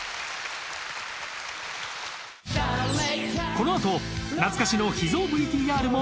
このあと懐かしの秘蔵ＶＴＲも。